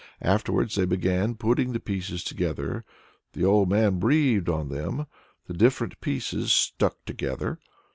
Afterwards they began putting the pieces together; when the old man breathed on them the different pieces stuck together.